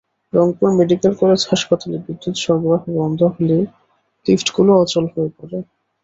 Rangpur medical college হাসপাতালে বিদ্যুৎ সরবরাহ বন্ধ হলেই লিফটগুলো অচল হয়ে পড়ে।